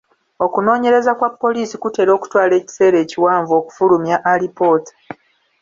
Okunoonyereza kwa poliisi kutera okutwala ekisera ekiwanvu okufulumya alipoota.